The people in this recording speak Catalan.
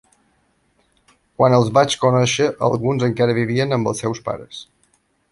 Quan els vaig conèixer, alguns encara vivien amb els seus pares!